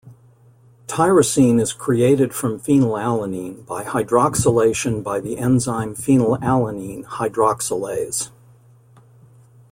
Tyrosine is created from phenylalanine by hydroxylation by the enzyme phenylalanine hydroxylase.